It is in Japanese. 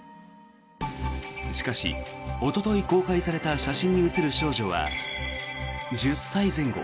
しかし、おととい公開された写真に写る少女は１０歳前後。